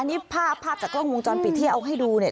นี่ภาพภาพจากกล้องวงจรปิดที่เอาให้ดูเนี่ย